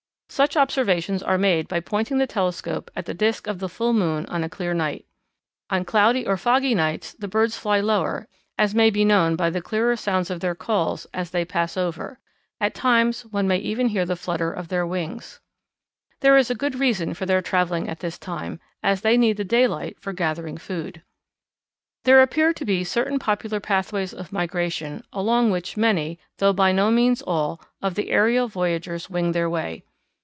Such observations are made by pointing the telescope at the disk of the full moon on clear nights. On cloudy or foggy nights the birds fly lower, as may be known by the clearer sounds of their calls as they pass over; at times one may even hear the flutter of their wings. There is a good reason for their travelling at this time, as they need the daylight for gathering food. There appear to be certain popular pathways of migration along which many, though by no means all, of the aerial voyageurs wing their way.